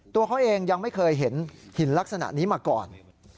ตัวเขาเองยังไม่เคยเห็นหินลักษณะนี้มาก่อน